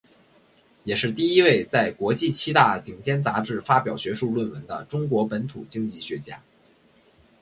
也是第一位在国际七大顶尖杂志发表学术论文的中国本土经济学家。